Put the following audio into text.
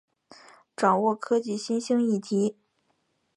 掌握科技新兴议题